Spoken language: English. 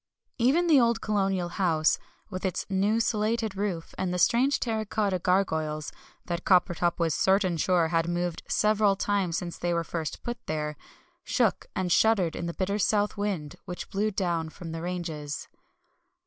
Even the old colonial house, with its new slated roof and the strange terracotta gargoyles that Coppertop was certain sure had moved several times since they were first put up there shook and shuddered in the bitter south wind which blew down from the ranges.